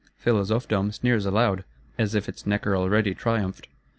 Philosophedom sneers aloud, as if its Necker already triumphed.